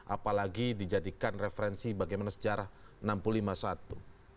apalagi dijadikan referensi bagaimana sejarah enam puluh lima satu